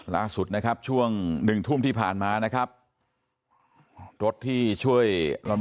ล่าสุดนะครับช่วงหนึ่งทุ่มที่ผ่านมานะครับรถที่ช่วยลำ